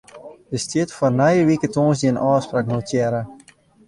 Der stiet foar nije wike tongersdei in ôfspraak notearre.